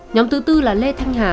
nhóm thứ bốn là lê thanh hà